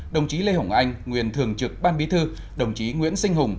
đồng chí lê hồng anh nguyên thường trực ban bí thư đồng chí nguyễn sinh hùng